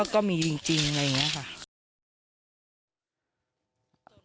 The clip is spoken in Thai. ก็มีจริงอะไรอย่างนี้ค่ะ